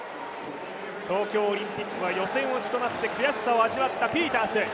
東京オリンピックは予選落ちとなって悔しさを味わったピータース。